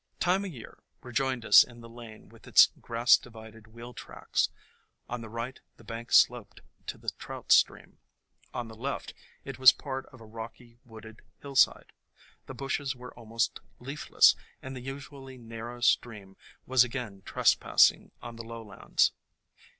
Time o' Year rejoined us in the lane with its grass divided wheel tracks. On the right the bank sloped to the trout stream; on the left it was part of a rocky, wooded hillside. The bushes were almost leafless and the usually narrow stream was again trespassing on the lowlands.